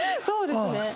そうですね。